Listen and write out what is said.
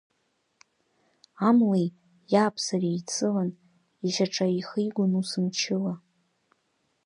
Амлеи иааԥсареи еицылан, ишьаҿа еихигон ус мчыла.